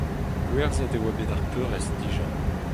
Gwerzhet e oa bet ar peurrest dija.